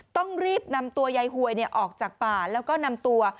ต้องรีบนำตัวยายหวยออกจากป่าแล้วก็นำตัว